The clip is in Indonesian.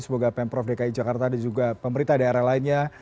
semoga pemprov dki jakarta dan juga pemerintah daerah lainnya